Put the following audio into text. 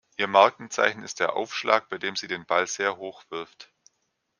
Ihr Markenzeichen ist der Aufschlag, bei dem sie den Ball sehr hoch wirft.